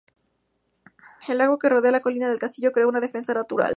El lago que rodea la colina del castillo, creó una defensa natural.